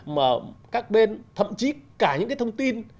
mà các bên thậm chí cả những thông tin